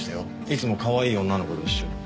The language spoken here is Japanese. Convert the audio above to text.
いつもかわいい女の子と一緒に。